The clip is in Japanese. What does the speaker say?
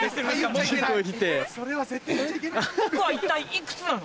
僕は一体いくつなの？